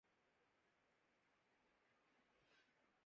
کون لا سکتا ہے تابِ جلوۂ دیدارِ دوست